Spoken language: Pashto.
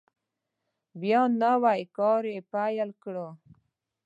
بیا نوی کار یې پیل کړ.